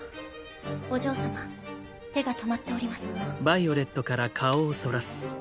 お嬢様手が止まっております。